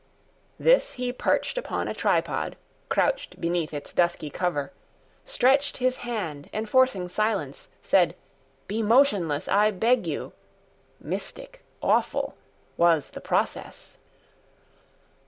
[Picture: The camera] This he perched upon a tripod— Crouched beneath its dusky cover— Stretched his hand, enforcing silence— Said, "Be motionless, I beg you!" Mystic, awful was the process.